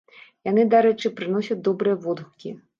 Яны, дарэчы, прыносяць добрыя водгукі.